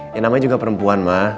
ya namanya juga perempuan ma